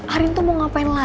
arin tuh mau ngapain